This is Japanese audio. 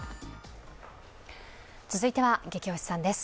続いては「ゲキ推しさん」です。